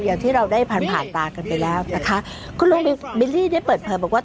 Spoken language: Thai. อย่างที่เราได้ผ่านผ่านตากันไปแล้วนะคะคุณลุงบิลลี่ได้เปิดเผยบอกว่า